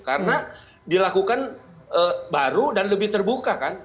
karena dilakukan baru dan lebih terbuka kan